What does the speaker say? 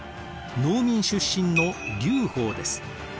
農民出身の劉邦です。